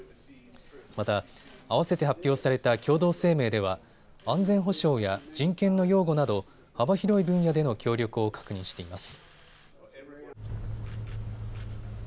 また、あわせて発表された共同声明では安全保障や人権の擁護など幅広い分野での協力を確認しています。